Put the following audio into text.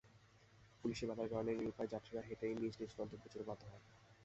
পুলিশি বাধার কারণে নিরুপায় যাত্রীরা হেঁটেই নিজ নিজ গন্তব্যে যেতে বাধ্য হন।